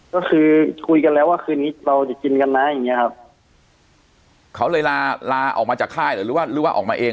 ก็คือคุยกันแล้วว่าคืนนี้เราจะกินกันนะอย่างเงี้ยครับเขาเลยลาลาออกมาจากค่ายหรือว่าหรือว่าออกมาเอง